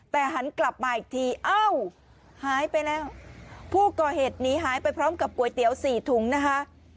แต่หันกลับมาอีกทีเอ้าหายไปแล้วผู้ก่อเหตุหนีหายไปพร้อมกับก๋วยเตี๋ยวสี่ถุงนะคะ